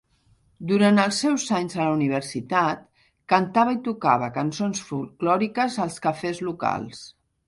Durant els seus anys a la universitat, cantava i tocava cançons folklòriques als cafès locals.